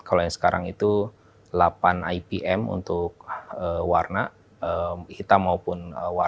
kalau yang sekarang itu delapan ipm untuk warna hitam maupun warna